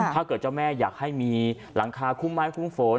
เจ้าแม่อยากให้มีหลังคาคุ้มไม้คุ้มฝน